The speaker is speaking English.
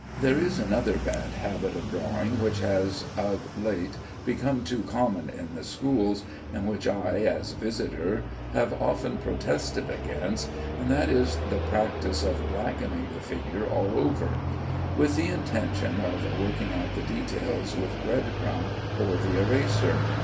There is another bad habit of drawing which has of late become too common in the schools, and which I, as visitor, have often protested against; and that is the practice of blackening the figure all over, with the intention of working out the details with breadcrumb or the eraser.